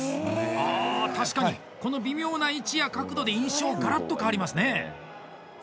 あ、確かにこの微妙な位置や角度で印象ガラッと変わりますね。